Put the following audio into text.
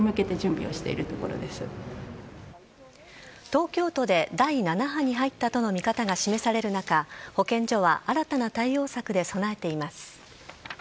東京都で第７波に入ったとの見方が示される中保健所は新たな対応策で備えています。